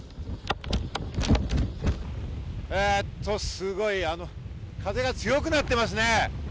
すごい風が強くなってますね。